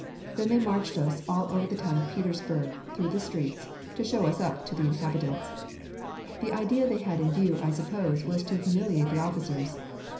Then they marched us all over the town of Petersburg, through the streets, to show us up to the inhabitants. The idea they had in view, I suppose, was to humiliate the officers.